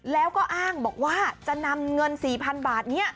แล้วก็อ้างบอกว่าจะนำเงิน๔๐๐๐บาทนี้